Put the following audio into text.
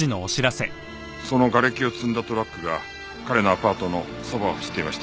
その瓦礫を積んだトラックが彼のアパートのそばを走っていました。